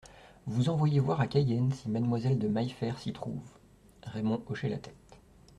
Vous envoyer voir à Cayenne si Mademoiselle de Maillefert s'y trouve … Raymond hochait la tête.